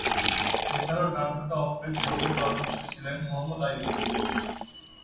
এছাড়াও, ডানহাতে off break বোলিংয়ে পারদর্শী ছিলেন মোহাম্মদ আইয়ুব।